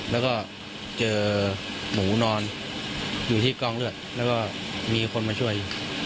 แล้วก็เจอหมูนอนอยู่ที่กองเลือดแล้วก็มีคนมาช่วย